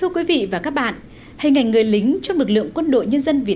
các bạn hãy đăng ký kênh để ủng hộ kênh của chúng mình nhé